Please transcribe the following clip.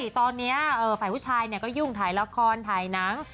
ตอนนี้ขวับฝ่ายผู้ชายยุ่งถ่ายละครถ่ายน้ำ